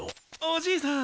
おじいさん